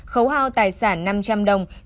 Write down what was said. khấu hào tài sản năm trăm linh đồng